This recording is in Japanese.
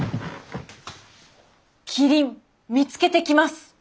キリン見つけてきます！